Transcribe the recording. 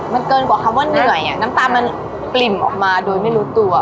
มันเกินกว่าคำว่าเหนื่อยน้ำตามันปริ่มออกมาโดยไม่รู้ตัว